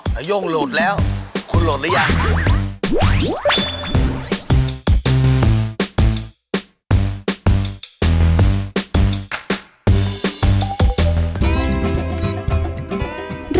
นาย่งหลุดแล้วคุณโหลดหรือยัง